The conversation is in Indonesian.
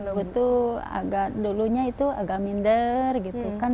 dulu tuh agak dulunya itu agak minder gitu kan